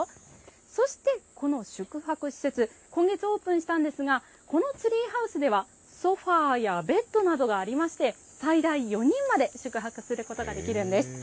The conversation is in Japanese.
そして、この宿泊施設今月オープンしたんですがこのツリーハウスではソファーやベッドなどがありまして最大４人まで宿泊することができるんです。